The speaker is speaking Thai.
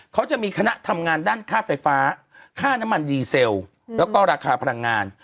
เขาจะมีคณะทำงานด้านค่าไฟฟ้าค่าน้ำมันดีเซลแล้วก็ราคาพลังงาน